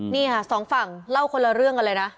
นี่ค่ะสองฝั่งเล่าคนละเรื่องกันเลยนะ